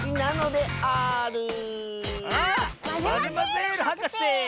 マゼマゼールはかせ！